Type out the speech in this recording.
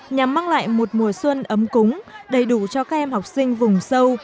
nhằm mang lại một mùa xuân ấm cúng đầy đủ cho các em học sinh vùng sâu